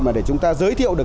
mà để chúng ta giới thiệu được